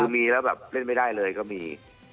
มีแล้วแบบเล่นไม่ได้เลยก็มี